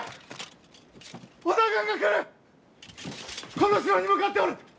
この城に向かっておる！